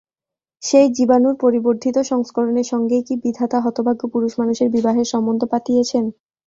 সেই জীবাণুর পরিবর্ধিত সংস্করণের সঙ্গেই কি বিধাতা হতভাগ্য পুরুষমানুষের বিবাহের সম্বন্ধ পাতিয়েছেন।